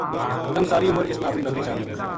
تَم ساری عمر اس ما اپنی بکری چاروں